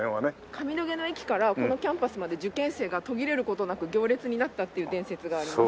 上野毛の駅からこのキャンパスまで受験生が途切れる事なく行列になったっていう伝説があります。